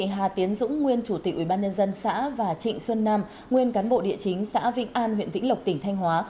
hà tiến dũng nguyên chủ tịch ubnd xã và trịnh xuân nam nguyên cán bộ địa chính xã vĩnh an huyện vĩnh lộc tỉnh thanh hóa